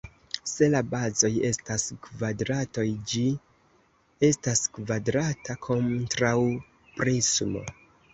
Se la bazoj estas kvadratoj ĝi estas kvadrata kontraŭprismo.